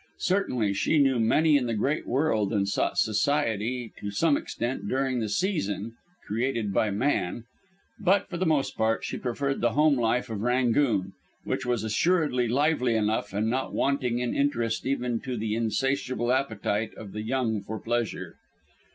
Certainly she knew many in the great world, and sought society to some extent during the season, created by man; but, for the most part, she preferred the home life of "Rangoon," which was assuredly lively enough and not wanting in interest even to the insatiable appetite of the young for pleasure.